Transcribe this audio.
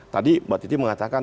tadi bu titi mengatakan